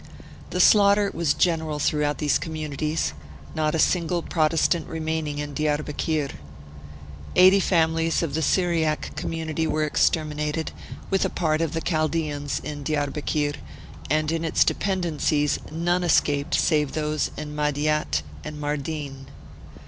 The slaughter was general throughout these communities, not a single Pro testant remaining in Diarbekir. Eighty families of the Syriac community were exterminated, with a part of the Chaldeans, in Diarbekir, and in its de pendencies none escaped save those in Madiat and Mardin.